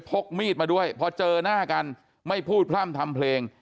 กมีดมาด้วยพอเจอหน้ากันไม่พูดพร่ำทำเพลง